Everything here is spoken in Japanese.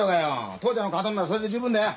父ちゃんの顔撮るならそれで十分だよ。